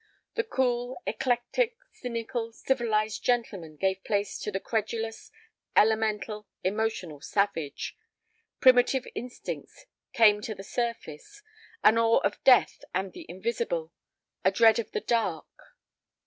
The cool, eclectic, cynical, civilized gentleman gave place to the credulous, elemental, emotional savage. Primitive instincts came to the surface: an awe of death and the invisible, a dread of the dark.